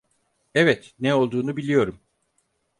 Evet, ne olduğunu biliyorum.